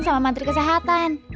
sama mantri kesehatan